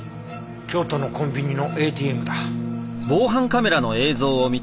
京都のコンビニのＡＴＭだ。